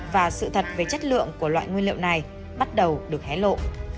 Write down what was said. và sự thật về chất lượng của loại nguyên liệu này bắt đầu được hé lộ